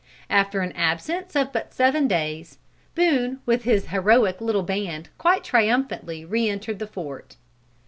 After an absence of but seven days, Boone with his heroic little band quite triumphantly re entered the fort.